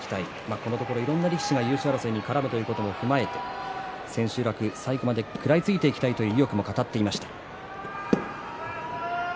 このところ、いろいろな力士が優勝争いに絡むということを踏まえて千秋楽、最後まで食らいついていきたいという意欲も語っていました。